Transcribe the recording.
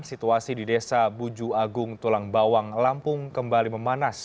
situasi di desa buju agung tulang bawang lampung kembali memanas